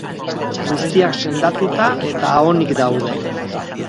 Guztiak sendatuta eta onik daude.